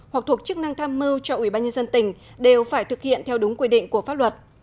hoặc thuộc chức năng tham mưu cho ủy ban nhân dân tỉnh đều phải thực hiện theo đúng quy định của pháp luật